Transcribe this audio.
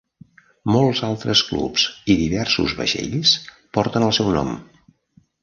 Molts altres clubs i diversos vaixells porten el seu nom.